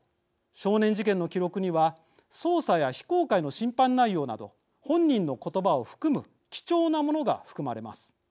少年事件の記録には捜査や非公開の審判内容など本人の言葉を含む貴重なものが含まれます。